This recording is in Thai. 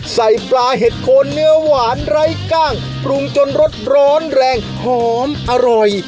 ใส่ปลาเห็ดโคนเนื้อหวานไร้กล้างปรุงจนรสร้อนแรงหอมอร่อย